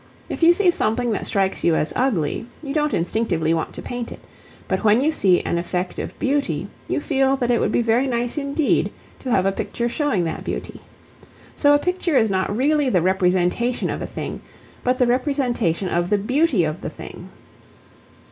If you see something that strikes you as ugly, you don't instinctively want to paint it; but when you see an effect of beauty, you feel that it would be very nice indeed to have a picture showing that beauty. So a picture is not really the representation of a thing, but the representation of the beauty of the thing.